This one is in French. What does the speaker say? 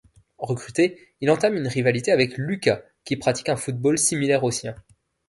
Recruté, il entame une rivalité avec Lucas, qui pratique un football similaire au sien.